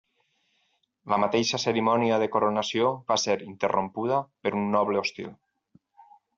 La mateixa cerimònia de coronació va ser interrompuda per un noble hostil.